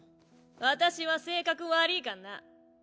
私は性格悪ぃかんな。